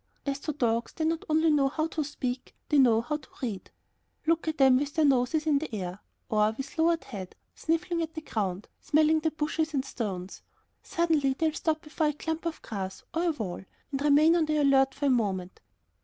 As to dogs, they not only know how to speak, they know how to read. Look at them with their noses in the air or, with lowered head, sniffing at the ground, smelling the bushes and stones. Suddenly they'll stop before a clump of grass, or a wall, and remain on the alert for a moment.